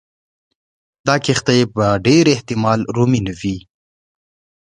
دا کښتۍ په ډېر احتمال رومي نه وې.